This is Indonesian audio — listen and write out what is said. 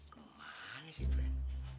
ke mana sih pren